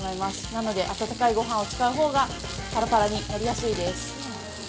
なので、温かいごはんを使うほうがパラパラになりやすいです。